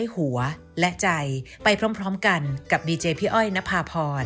สวัสดีค่ะ